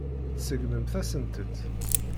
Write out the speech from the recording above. Tseggmemt-asent-t.